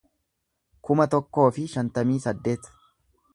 kuma tokkoo fi shantamii saddeet